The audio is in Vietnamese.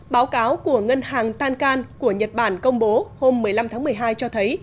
báo cáo của ngân hàng tan can của nhật bản công bố hôm một mươi năm tháng một mươi hai cho thấy